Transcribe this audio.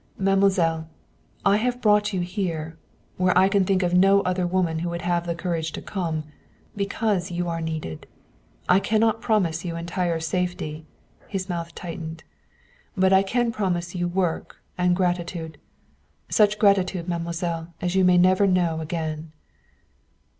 "Mademoiselle, I have brought you here, where I can think of no other woman who would have the courage to come, because you are needed. I cannot promise you entire safety" his mouth tightened "but I can promise you work and gratitude. Such gratitude, mademoiselle, as you may never know again."